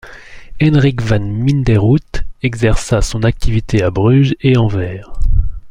Hendrik van Minderhout exerça son activité à Bruges et Anvers.